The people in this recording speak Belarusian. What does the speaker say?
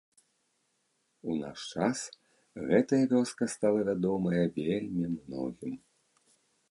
У наш час гэтая вёска стала вядомая вельмі многім.